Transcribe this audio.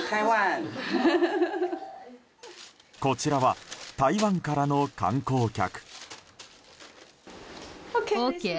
こちらは台湾からの観光客。